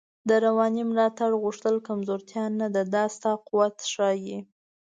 د روانی ملاتړ غوښتل کمزوتیا نده، دا ستا قوت ښایی